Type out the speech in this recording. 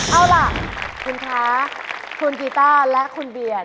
เอาล่ะคุณคะคุณกีต้าและคุณเบียร์